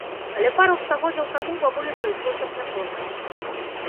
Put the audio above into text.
Але пару стагоддзяў таму бабулі прыйшлося б няпроста.